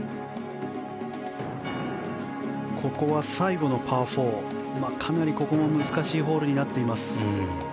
ここは最後のパー４かなり、ここも難しいホールになっています。